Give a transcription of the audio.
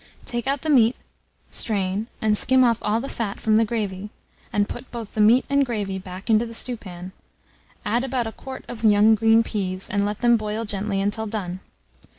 Take out the meat, strain, and skim off all the fat from the gravy, and put both the meat and gravy back into the stewpan; add about a quart of young green peas, and let them boil gently until done.